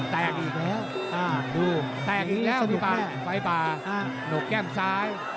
แตกอีกแล้วดูแตกอีกแล้วพี่ป่าไฟป่าหนกแก้มซ้าย